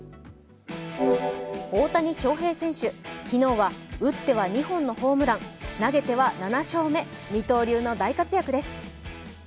大谷翔平選手、昨日は打っては２本のホームラン、投げては７勝目、二刀流の大活躍です。